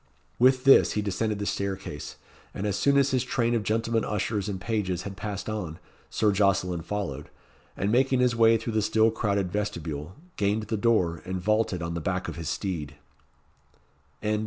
With this he descended the staircase; and as soon as his train of gentlemen ushers and pages had passed on, Sir Jocelyn followed, and making his way through the still crowded vestibule, gained the door, and vaulted on the back of his steed.